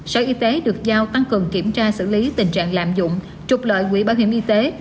sở y tế được giao tăng cường kiểm tra xử lý tình trạng lạm dụng trục lợi quỹ bảo hiểm y tế